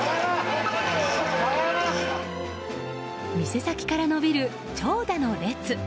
店先から延びる、長蛇の列。